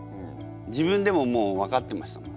自分でももう分かってましたもん。